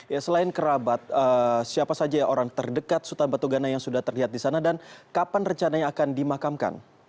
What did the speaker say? ya selain kerabat siapa saja orang terdekat sultan batu gana yang sudah terlihat di sana dan kapan rencananya akan dimakamkan